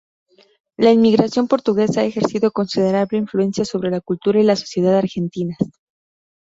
La inmigración portuguesa ha ejercido considerable influencia sobre la cultura y la sociedad argentinas.